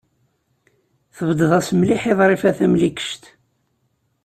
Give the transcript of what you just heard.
Tbeddeḍ-as mliḥ i Ḍrifa Tamlikect.